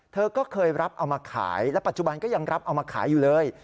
เธอก็เคยรับเอามาขายและปัจจุบันก็ยังรับเอามาขายอยู่เลย